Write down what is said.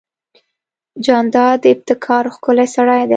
جانداد د ابتکار ښکلی سړی دی.